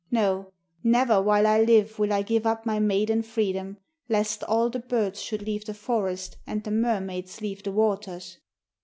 No, never while I live will I give up my maiden freedom, lest all the birds should leave the forest and the mermaids leave the waters.'